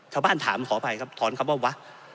ท่อบ้านถามขออภัยครับถอนคำว่าวะ